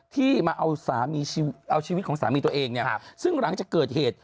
ที่เอาชีวิตของสามีตัวเองซึ่งหลังจากเกิดเหตุ